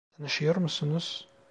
Tanışıyor musunuz?